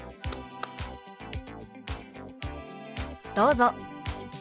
どうぞ。